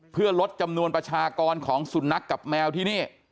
เพื่อลดจำนวนประชากรของสุนัขกับแมวที่นี่